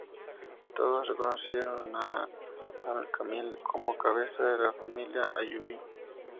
Todos reconocieron a al-Kamil como cabeza de la familia ayubí.